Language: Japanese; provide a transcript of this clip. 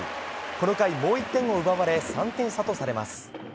この回、もう１点を奪われ３点差とされます。